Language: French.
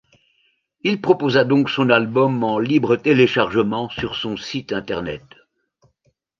Il proposa donc son album en libre téléchargement sur son site internet.